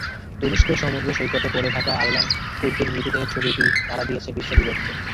তুরস্কের সমুদ্রসৈকতে পড়ে থাকা আয়লান কুর্দির মৃতদেহের ছবিটা নাড়া দিয়েছে বিশ্ব বিবেককে।